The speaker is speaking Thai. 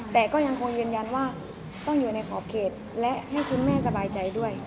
แต่ก็ยังคงยืนยันว่าต้องอยู่ในขอบเขตและให้คุณแม่สบายใจด้วย